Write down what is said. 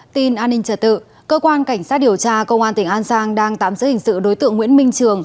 tin an ninh trả tự cơ quan cảnh sát điều tra công an tỉnh an giang đang tạm giữ hình sự đối tượng nguyễn minh trường